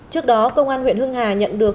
trước đó công an huyện hưng hà nhận được